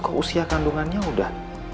kok usia kandungannya udah